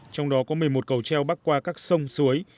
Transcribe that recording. trong đó có một mươi một cầu treo bắc qua các sông suối